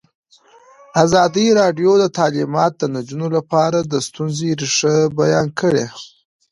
ازادي راډیو د تعلیمات د نجونو لپاره د ستونزو رېښه بیان کړې.